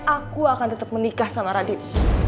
aku akan tetep menikah sama radit